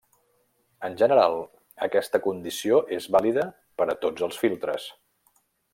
En general, aquesta condició és vàlida per a tots els filtres.